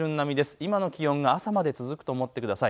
今の気温が朝まで続くと思ってください。